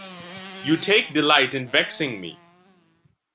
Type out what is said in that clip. You take delight in vexing me.